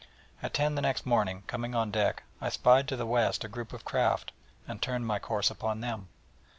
At ten the next morning, coming on deck, I spied to the west a group of craft, and turned my course upon them.